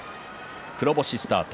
黒星スタート。